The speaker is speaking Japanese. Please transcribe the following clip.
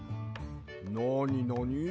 なになに？